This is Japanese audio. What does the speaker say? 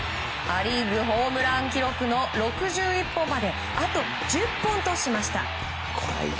ア・リーグホームラン記録の６１本まであと１０本としました。